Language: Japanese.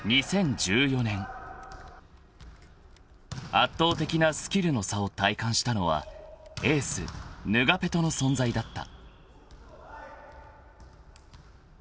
［圧倒的なスキルの差を体感したのはエースヌガペトの存在だった］